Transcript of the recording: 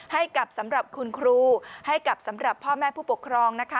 ให้กับสำหรับคุณครูให้กับสำหรับพ่อแม่ผู้ปกครองนะคะ